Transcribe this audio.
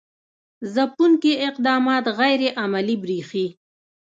ځپونکي اقدامات غیر عملي برېښي.